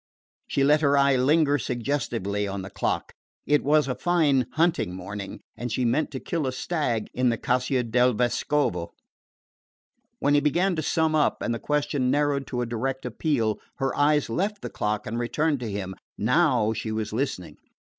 She let her eye linger suggestively on the clock. It was a fine hunting morning, and she had meant to kill a stag in the Caccia del Vescovo. When he began to sum up, and the question narrowed to a direct appeal, her eyes left the clock and returned to him. Now she was listening.